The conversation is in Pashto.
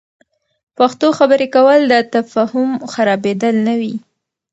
پښتو خبرې کول، د تفهم خرابیدل نه وي.